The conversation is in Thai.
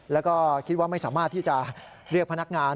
แล้วก็คิดว่าไม่สามารถที่จะเรียกพนักงาน